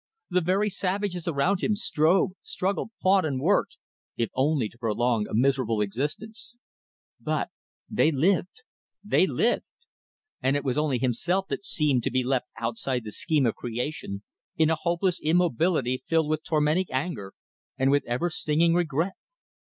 The very savages around him strove, struggled, fought, worked if only to prolong a miserable existence; but they lived, they lived! And it was only himself that seemed to be left outside the scheme of creation in a hopeless immobility filled with tormenting anger and with ever stinging regret.